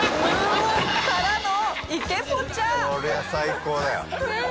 こりゃ最高だよ。